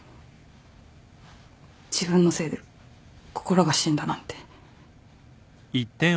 自分のせいで心が死んだなんて。